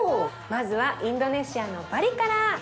まずはインドネシアのバリから。